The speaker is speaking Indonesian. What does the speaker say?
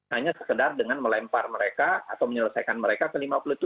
hanya sekedar dengan melempar mereka atau menyelesaikan mereka ke lima puluh tujuh